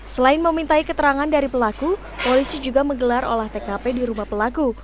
selain memintai keterangan dari pelaku polisi juga menggelar olah tkp di rumah pelaku